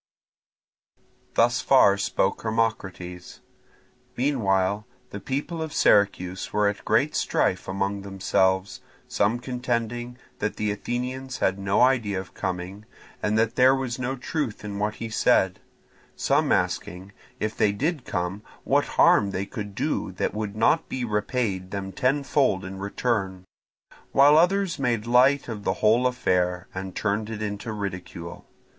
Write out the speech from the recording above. Thus far spoke Hermocrates. Meanwhile the people of Syracuse were at great strife among themselves; some contending that the Athenians had no idea of coming and that there was no truth in what he said; some asking if they did come what harm they could do that would not be repaid them tenfold in return; while others made light of the whole affair and turned it into ridicule.